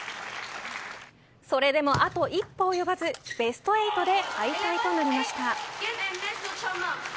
それでもあと一歩及ばずベスト８で敗退となりました。